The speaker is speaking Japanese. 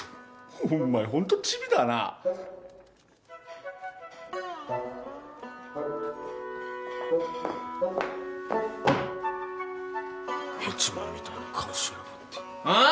お前ホントチビだなヘチマみたいな顔しやがってあん！？